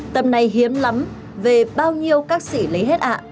tầm này hiếm lắm về bao nhiêu các sĩ lấy hết ạ